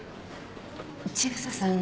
千草さん